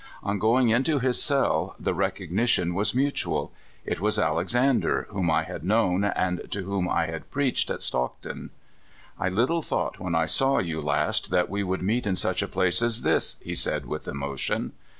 On going into his cell, the recognition was mutual. It was Alexander, whom I had known and to whom I had preached at Stockton. "I little thought when I saw you last that we would meet in such a place as this," he said with emotion.